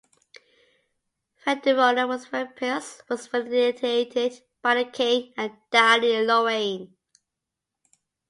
Frederuna was very pious, was repudiated by the King, and died in Lorraine.